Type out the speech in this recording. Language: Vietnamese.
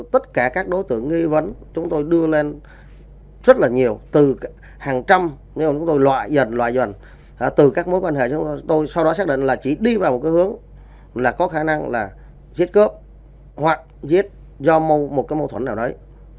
từ các mối quan hệ chúng tôi sau đó xác định là chỉ đi vào một cái hướng là có khả năng là giết cướp hoặc giết do một cái mâu thuẫn nào đấy